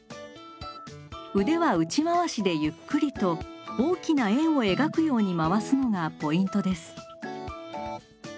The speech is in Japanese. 腕は内回しでゆっくりと大きな円を描くように回すのがポイントです。